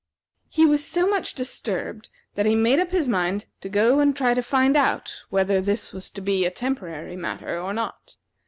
He was so much disturbed that he made up his mind to go and try to find out whether this was to be a temporary matter or not.